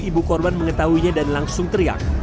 ibu korban mengetahuinya dan langsung teriak